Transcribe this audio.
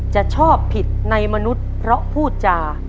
จะชอบผิดในมนุษย์เพราะพูดจา